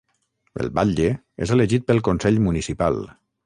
El batlle és elegit pel consell municipal.